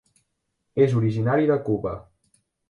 És originari de Cuba.